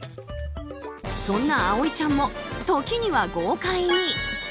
そんな葵ちゃんも時には豪快に。